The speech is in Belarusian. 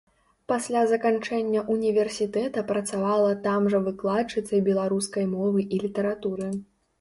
Пасля заканчэння ўніверсітэта працавала там жа выкладчыцай беларускай мовы і літаратуры.